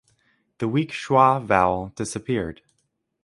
The weak schwa vowel disappeared.